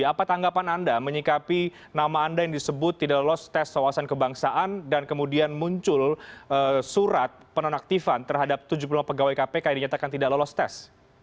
apa tanggapan anda menyikapi nama anda yang disebut tidak lolos tes wawasan kebangsaan dan kemudian muncul surat penonaktifan terhadap tujuh puluh lima pegawai kpk yang dinyatakan tidak lolos tes